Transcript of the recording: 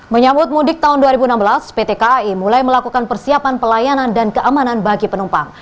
menyambut mudik tahun dua ribu enam belas pt kai mulai melakukan persiapan pelayanan dan keamanan bagi penumpang